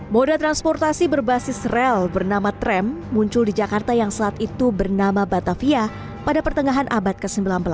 moda transportasi berbasis rel bernama tram muncul di jakarta yang saat itu bernama batavia pada pertengahan abad ke sembilan belas